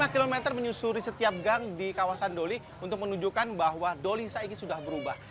lima km menyusuri setiap gang di kawasan doli untuk menunjukkan bahwa doli saigi sudah berubah